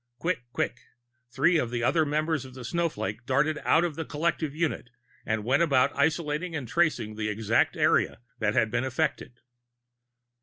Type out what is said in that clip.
Quick, quick, three of the other members of the snowflake darted out of the collective unit and went about isolating and tracing the exact area that had been affected.